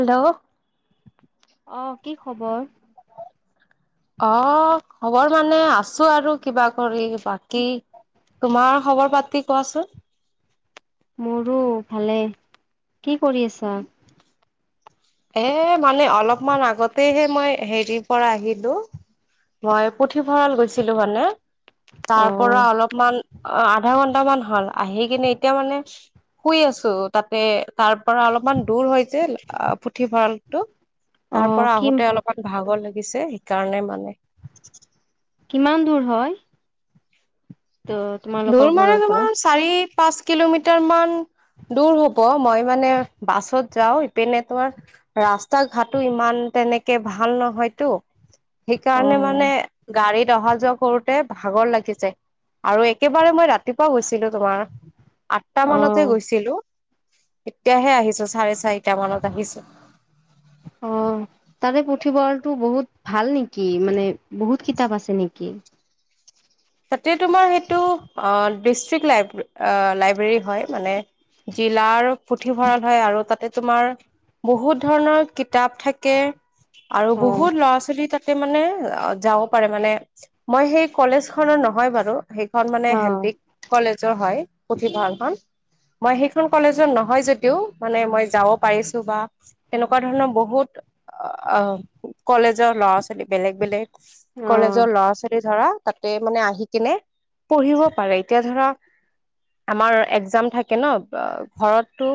Hello অ', কি খবৰ? ক, খবৰ মানে আছো আৰু কিবা কৰি বাকী তোমাৰ খবৰ পাতি কোৱাচোন? মোৰো ভালে। কি কৰি আছা? এ, মানে অলপমান আগতেহে মই হেৰি পৰা আহিলো। মই পুথিভঁৰাল গৈছিলো মানে, অ তাৰ পৰা অলপমান অ', আধা ঘণ্টা মান হ'ল। আহি কিনে এতিয়া মানে শুই আছো, তাতে তাৰ পৰা অলপমান দূৰ হৈ যে আ ফুট পুথিভঁৰালটো অ তাৰ পৰা কি আহোতে অলপমান ভাগৰ লাগি দিছে সেইকাৰণে মানে। কিমান দূৰ হয়? ত দূৰ তোমালোকৰ মানে ঘৰৰ পৰা তোমাৰ চাৰি-পাঁচ কিলোমিটাৰ মান দূৰ হ'ব। মই মানে বাছত যাওঁ ইপিনে তোমাৰ ৰাস্তা ঘাটো ইমান তেনেকে ভাল নহয়তো। অ সেইকাৰণে মানে গাড়ীত অহা যোৱা কৰোতে ভাগৰ লাগি যায়। আৰু এ একেবাৰে মই ৰাতিপুৱা গৈছিলো তোমাৰ আঠটা অ মানতে গৈছিলো। এতিয়াহে আহিছো চাৰে চাৰি অ', তাৰে পুথিভঁৰাল টো বহুত ভাল নেকি? মানে বহুত কিতাপ আছে নেকি? তাতে তোমাৰ সেইটো অঁ ডিষ্ট্ৰিক লাইব্ৰে অঁ লাইব্ৰেৰী হয় মানে জিলাৰ পুথিভঁৰাল হয় আৰু তাতে তোমাৰ বহুত ধৰণৰ কিতাপ থাকে আৰু হয় বহুত ল'ৰা ছোৱালী তাত তাতে মানে আ যাব পাৰে মানে। মই সেই কলেজখনৰ নহয় বাৰু। সেইখন মানে অ সন্দিকৈ কলেজৰ হয় পুথিভঁৰালখন। মই সেইখন কলেজৰ নহয় যদিও মানে মই যাব পাৰিছো বা তেনেকুৱা ধৰণৰ বহুত কলেজৰ ল'ৰা-ছোৱা বেলেগ বেলেগ অ কলেজৰ ল'ৰা-ছোৱালী ধৰা তে মানে আহি কিনে পঢ়িব পাৰে। এতিয়া ধৰা আমাৰ একজাম থাকে ন' অঁ ঘৰত তো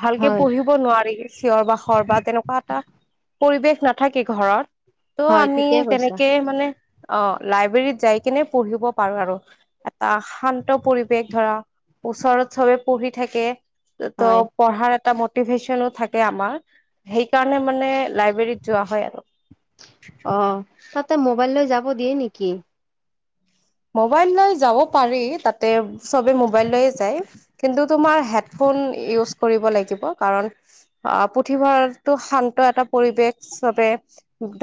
ভালকে হয় পঢ়িব নোৱাৰি চিঞৰ-বাখৰ বা তেনেকুৱা এটা পৰিৱেশ নাথাকে ঘৰত ত' হয় আমি ঠিকে কৈছা তেনেকে মানে অ' লাইব্ৰেৰীত যাই কিনে পঢ়িব পাৰো আৰু এটা শান্ত পৰিৱেশ ধৰা ওচৰত চবে পঢ়ি থাকে ত' হয় পঢ়াৰ এটা ম মোটিভেশ্যনো থাকে আমাৰ সেইকাৰণে মানে লাইব্ৰেৰীত যোৱা হয় আৰু অ' তাতে মোবাইল লৈ যাব দিয়ে নেকি? মোবাইল লৈ যাব পাৰি তাতে চবে মোবাইল লৈয়ে যায় কিন্তু তোমাৰ হেডফোন ফোন ইউছ কৰিব লাগিব কাৰণ অঁ পুথিভঁৰালটো শান্ত এটা পৰিৱেশ হিচাপে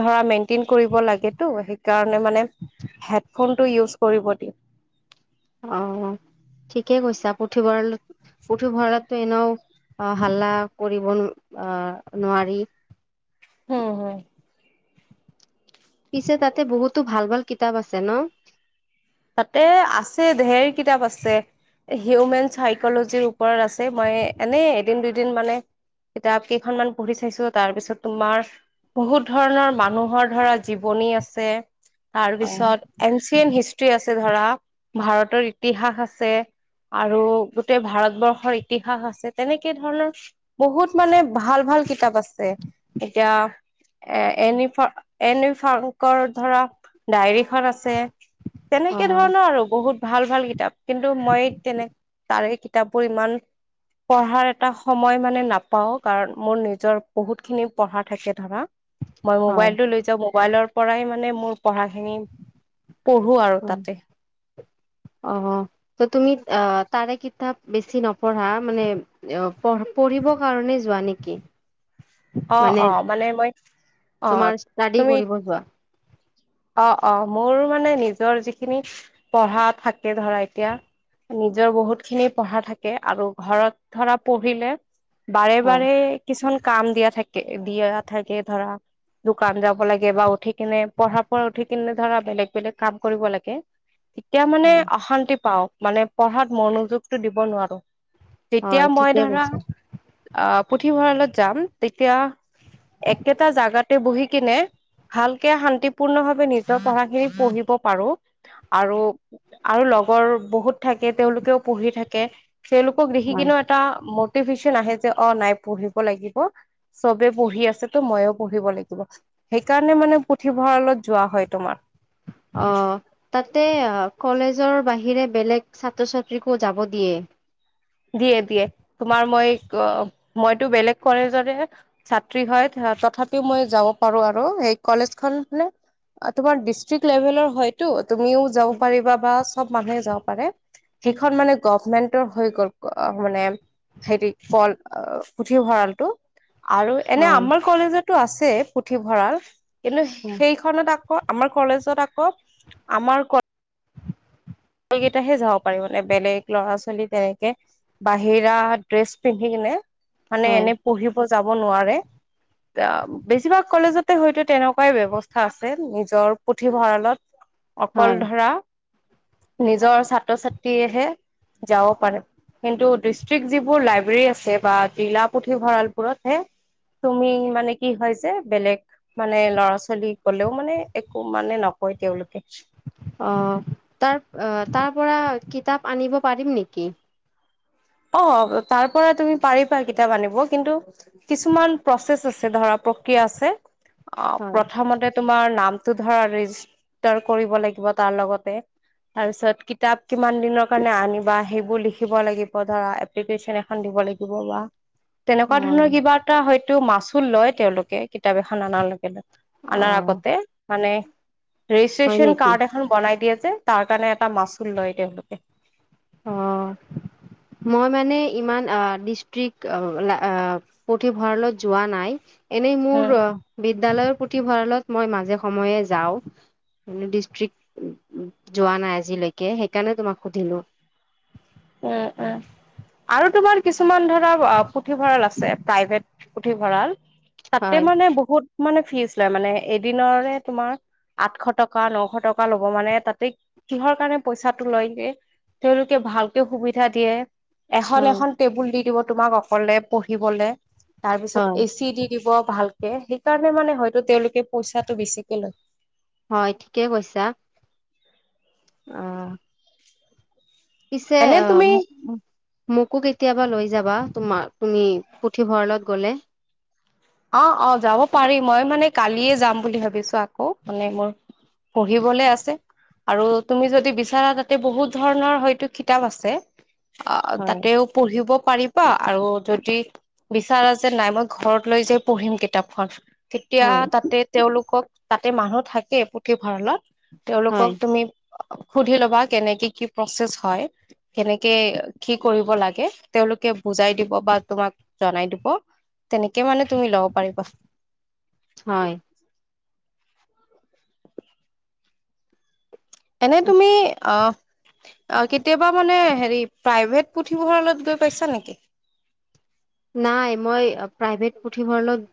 ধৰা মেইনটেইন কৰিব লাগেটো সেইকাৰণে মানে হেডফোনটো ইউছ কৰিব দিয়ে। অঁ ঠিকেই কৈছা পুথিভঁৰাল পুথিভঁৰালতটো এনেও আহ হাল্লা কৰিব নো আহ নোৱাৰি। হম হম পিছে তাতে বহুতো ভাল ভাল কিতাপ আছে ন? তাতে আছে ঢেৰ কিতাপ আছে। এ হিউমেন চাইক'লজিৰ ওপৰত আছে মই এনে এদিন দুদিন মানে তেতিয়া কেইখনমান পঢ়ি চাইছো তাৰপিছত তোমাৰ বহুত ধৰণৰ মানুহৰ ধৰা জীৱনী আছে তাৰ অ পিছত এনচিয়েনট হিষ্ট আছে ধৰা ভাৰতৰ ইতিহাস আছে। আৰু গোটেই ভাৰতবৰ্ষৰ ইতিহাস আছে তেনেকে ধৰণৰ বহুত মানে ভাল ভাল। ভাল কিতাপ আছে এতিয়া। এ এনিফৰ এনি ফ্ৰাংকৰ ধৰা ডায়েৰীখন আছে। তেনেকে ধৰণৰ আৰু বহুত ভাল ভাল কিতাপ কিন্তু মই তেনে তাৰে কিতাপবোৰ ইমান পঢ়াৰ এটা সময় মানে নাপাও কাৰণ মোৰ নিজৰ বহুত খিনি পঢ়া থাকে ধৰা। মই হয় মোবাইলটো লৈ যাওঁ মোবাইলৰ পৰাই মানে মোৰ পঢ়াখিনি পঢ়ো। আৰু অ তাতে [inaudible] অ' ত' তুমি তাৰে কিতাপ বেছি নপঢ়া মানে পঢ়ি [unintelligible] কাৰণে যোৱা নেকি? অ মানে অ মই অ তোমাৰ ষ্টাডি তুমি কৰিব যোৱা। অ', অ' মোৰ মানে নিজৰ যিখিনি পঢ়া থাকে ধৰা এতিয়া নিজৰ বহুত খিনি পঢ়া থাকে আৰু ঘৰত ধৰা পঢ়িলে বাৰে হয় বাৰে কিছুমান কাম দিয়া থাকে দিয়া থাকে ধৰা দোকান যাব লাগে বা উঠি কিনে পঢ়া। ও উঠি কিনে ধৰা বেলেগ বেলেগ কাম কৰিব লাগে তেতিয়া অ মানে অশান্তি পাও। মানে পঢ়াত মনোযোগতটো দিব নোৱাৰো তেতিয়া হয় মই ঠিকে ধৰা কৈছা অ'। পুথিভঁৰালত যাম তেতিয়া একেটা জাগাতে বহি কিনে ভালকে শান্তি পূৰ্ণভাৱে নিজৰ পঢ়াখিনি পঢ়িব পাৰো। আৰু আৰু লগৰ বহুত থাকে তেওঁলোকেও পঢ়ি থাকে। তেওঁলোকক হয় দেখিকিনেও এটা ন আহে যে অ' নাই পঢ়িব লাগিব চবে পঢ়ি আছে তো ময়ো পঢ়িব লাগিব। সেইকাৰণে মানে পুথিভঁৰালত যোৱা হয় তোমাৰ অ' তাতে কলেজৰ বাহিৰে বেলেগ ছাত্ৰ ছাত্ৰীকো যাব দিয়ে। [inaudible] দিয়ে দিয়ে তোমাৰ মই মইতো বেলেগ কলেজৰে ছাত্ৰী হয়। তথাপিও মই যাব পাৰো আৰু সেই কলেজ খ নে তোমাৰ ডিষ্ট্ৰিক্ট লেভেলৰ হয়তো। তুমিও যাব পাৰিবা বা সব মানুহে যাব পাৰে সেইখন মানে গভমেন্টৰ হৈ গ'ল। আহ মানে হেতি কল উঠি ভৰালটো। আৰু এনে হয় আমাৰ কলেজতো আছে পুথিভঁৰাল কিন্তু সেইখনত। আকৌ আমাৰ কলেজত আকৌ আমাৰ ক কেইটাহে যাব পাৰি মানে বেলেগ ল'ৰা ছোৱালী তেনেকে বাহিৰা ড্ৰেছ পিন্ধি কিনে। মানে হয় এনে পঢ়িব যাব নোৱাৰে। বেছিভাগ কলেজতে হয়তো তেনেকুৱাই ব্যৱস্থা আছে নিজৰ পুথিভঁৰালত। হয় অকল ধৰা। নিজৰ ছাত্ৰ ছাত্ৰীহে যাব পাৰে। কিন্তু ডিষ্ট্ৰিক্ট যিবোৰ লাইব্ৰেৰী আছে বা টিলা পুথিভঁৰালবোৰতহে। তুমি মানে কি হৈছে বেলেগ মানে ল'ৰা ছোৱালী গলেও মানে একো মানে নকয় তেওঁলোকে। আহ তাৰ আহ তাৰ পৰা কিতাপ আনিব পাৰিম নেকি। অ' তাৰ পৰা তুমি পাৰিবা কিতাপ আনিব কিন্তু কিছুমান প্ৰচেছ আছে ধৰা আছে অ' হয় প্ৰথমতে তোমাৰ নাম ধ ৰেজিষ্ট কৰিব লাগিব তাৰ লগতে তাৰপিছত কিতাপ। কিমান দিনৰ কাৰণে আনিবা সেইবোৰ লিখিব লাগিব। পধৰা এপ্লিকেচন এখন দিব লাগিব বা তেনেকুৱা অ ধৰণৰ কিবা এটা টো মাচু লয় তেওঁলোকে কিতাপ এখন আনাৰ লৈকে লয়, আনাৰ অ আগতে মানে হয় ৰেজিষ্ট্ৰ্যন নেকি কাৰ্ড এখন বনাই দিয়ে যে তাৰ কাৰণে এটা মাচুল লয় তেওঁলোকে। অ'। মই মানে ইমান ডিষ্ট্ৰিক্ট [unintelligible] পুথিভঁৰালত যোৱা নাই। এনেই মোৰ উম, বিদ্যালয়ৰ পুথিভঁৰালত মই মাজে সময়ে যাওঁ। ম ডিষ্ট্ৰিক যোৱা নাই আজিলৈকে সেইকাৰণে তোমাক সুধিলো। উম উম আৰু তোমাৰ কিছুমান ধৰা পুথিভঁৰাল আছে প্ৰাইভেট। পুথি ভঁৰাল তাতে হয় মানে বহুত মানে ফিজ লয় মানে এদিনৰে তোমাৰ। আঠশ টকা নশ টকা ল'ব মানে তাতে কিহৰ কাৰণে পইচাটো লয়গে। তেওঁলোক ভাল সুবিধা দিয়ে, এখন হয় এখন টেবুল দি দিব তোমাক অকলে পঢ়িবলে। তাৰ পিছত হয় এচি দি দিব ভালক সেইকাৰণে মানে হয়তো তেওঁলোকে পইচাটো বেছিকে লয়। হয়, ঠিকে কৈছা। আহ। পছে এনে আহ তুমি উ মোকো কেতিয়াবা লৈ যাবা তোমাৰ তুমি পুথিভঁৰালত গ'লে। অ', অ', যাব পাৰি মই মানে কালিয়ে যাম বুলি ভাবিছো আকৌ, মানে মোৰ পঢ়িবলে আছে আৰু তুমি যদি বিচাৰা তাতে বহুত ধৰণৰ হয়তো খিতাপ আছে। অ', হয় তাতেও পঢ়িব পাৰিবা, আৰু যদি বিচাৰা যে নাই মই ঘৰত লৈ যাই পঢ়িম কিতাপখন তেতিয়া হয় তাতে তেওঁলোকক তাতে মানুহ থাকে পুথিভঁৰালত হয় তেওঁলোকক তুমি সুধি লবা কেনেকে কি প্ৰচছ হয়, কেনেকে কি কৰিব লাগে তেওঁলে বুজাই দিব বা তোমাক জনাই দিব, তেনেকে মানে তুমি লব পাৰিবা। হয়। এনে তুমি আহ অ' কেতিয়াবা মানে হেৰি প্ৰাইভেট পুথিভঁৰালত গৈ পাইছা নেকি? নাই মই প্ৰাইভেট পুথিভঁৰালত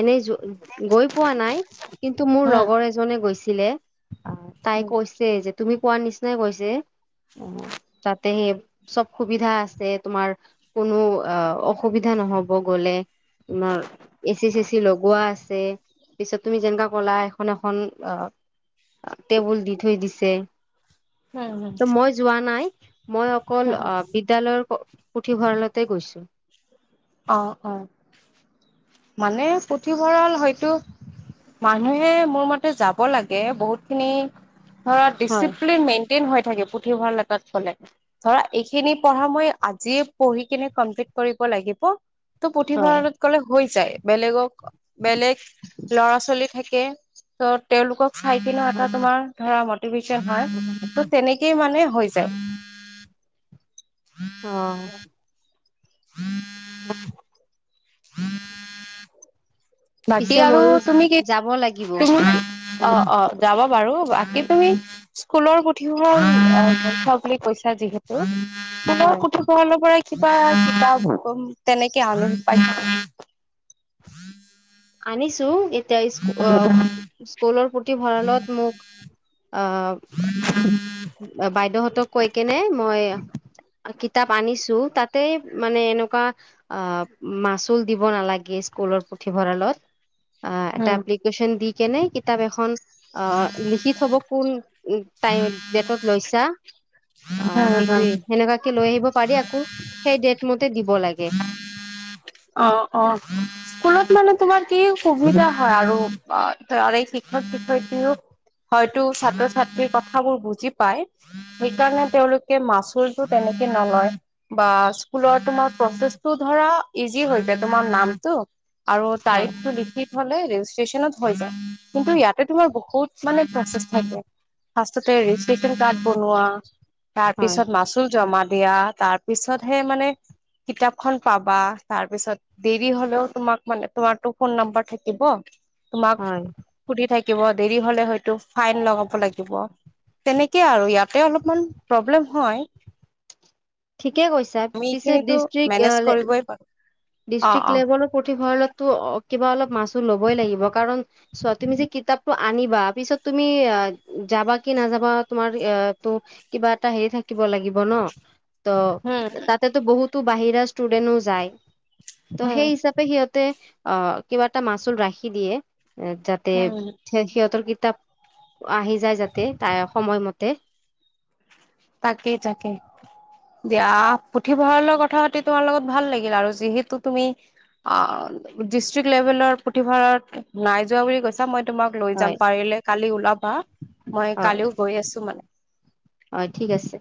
এনেই য গৈ পোৱা নাই, কিন্তু মোৰ উম লগৰ এজনে গৈছিলে। আহ তাই কৈছে যে তুমি কোৱাৰ নিচিনাই কৈছে। অ', তাতে সেই চব সুবিধা আছে তোমাৰ কোনো অ' অ অসুবিধা নহব গলে, তমাৰ এচি চেচি লগোৱা আছে। পিছত তুমি যেনেকা কলা এখন এখন অ' টেবুল দি থৈ দিছে। উম ত উম মই যোৱা নাই, মই অকল উম আহ বিদ্যালয়ৰ পুথিভঁৰালতে গৈছো। অ', অ', মানে পুথিভঁৰাল হয়তো মানুহে মোৰ মতে যাব লগে বহুত খিনি ধৰা হয় দিচিপ্লিন থাকে পুথিভঁৰা লটাত ফলে, ধৰা এইখিনি পঢ়া মই আজিয়ে পঢ়ি কিনে কমপ্লিট কৰিব লাগিব ত' হয় পুথিভঁৰালত গ'লে হৈ যাই, বেলেগক বেলেগ ল'ৰা ছোৱালী থাকে ত' তেওঁলোকক চাই কিনে এটা তোমাৰ ধৰা মটিভচন হয় ত' তেনেকেই মানে হৈ যায়। আহ। উম, উম। বাকী পিছে আৰু ময়ো তুমি কি যাব লাগিব কি অ', অ', যাব বাৰু বাকী তুমি স্কুলৰ পুথিভঁৰাল ত বুলি কৈছ যিহেতুৰ সোণৰ হয় পুথিভঁৰাল পৰা কিবা কিতাপ তেনেকে আলোন পইচা নাই? আনিছো। এতিয়া স্কু, আহ স্কুলৰ পুথি ভঁৰালত মোক আহ বাইদেউহতক কৈ কেনে মই কিতাপ আনিছো তাতে মানে এনেকুৱা অ মাচুল দিব নালাগে স্কু স্কুলৰ পুথিভৰালত আহ এটা উম এপ্লিকেশ্যন দি কেনে কিতাপ এখন আহ লিখি থব কোন উ, তাই ডেটত লৈছা? অ', হুম হুম সেইটোয়ে, সেনেকুৱাকে লৈ আহিব পাৰি আকৌ সেই ডট মতে দিব লাগে। অ', অ'। স্কুলত মানে তোমাৰ কি সুবিধা হয় আৰু, এই শিক্ষক শিক্ষয়ত্ৰী ও। হয়তো ছাত্ৰ ছাত্ৰীৰ কথাবোৰ বুজি পাই সেই কাৰণে তেওঁলোকে মাচুলটোৰ তেনে বা স্কুলৰ তোমাৰ প্ৰচেষ্টটো ধৰা ইজি হৈ যায় তোমাৰ নামটো আৰু হয় তাৰিখটো লিখি ইফালে ৰেজিষ্ট্ৰেচনত হৈ যায়, কিন্তু ইয়াতে তোমাৰ বহুত মানে প্ৰছেষ্ট থাকে। ফ্ৰাস্ততে ৰেজিষ্ট্ৰেচন ৰ্কাড বনোৱা তাৰ হয় পিছত মাচুল জমা দিয়া, তাৰ পিছতহে মানে কিতাপখন পাবা। তাৰ পিছত দেৰি হলেও তোমাক মানে তোমাৰতটো ফোন নাম্বাৰ থাকিব। তোমাক হয় সুধি থাকিব দেৰি হলে হয়তো ফাইন লগাব লাগিব। তেনেকে আৰু ইয়াতে অলপমান প্ৰব্লেম হয়। কিয় কৈছা আমি পিছে এইখিনিতো ডিষ্ট্ৰিক্ট মেনেজ কৰিবই পাৰো। অ', ডিষ্ট্ৰিক্ট অ', লেভেলৰ পুথিভঁৰালতো কিবা অলপ মাছোল ল'বই লাগিব, কাৰণ চোৱা তুমি যে কিতাপটো আনিবা পিছত তুমি যাবা কি নাযাবা তোমাৰ এইয়াতো কিবা এটা হেৰি থাকিব লাগিব ন। হম, ত' তাতেতো বহুতো বাহিৰা ষ্টুডেন্টও যায় ত' সেই হম, হিচাপে সিহত অ কিবা এটা মাচুল ৰাখি দিয়ে এ যাতে হম, সিহঁতৰ কিতাপ আহি যায় যাতে তা সময়মতে তাকেই তাকেই। দিয়া পুথিভঁৰালৰ কথা পাতি তোমাৰ লগত ভাল লাগিল আৰু যিহেতু তুমি অ ডিষ্ট্ৰিক্ লেভেলৰ পুথিভঁৰাত নাই যোৱা বুলি কৈছা মই তোমাক লৈ হয় যাম পাৰিলে কালি ওলাবা, মই হয় কালিও গৈ আছো মানে। হয় ঠিক আছে।